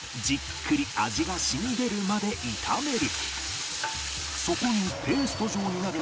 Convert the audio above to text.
再び味が染み出るまで炒める